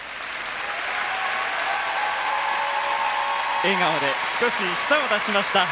笑顔で、少し舌を出しました。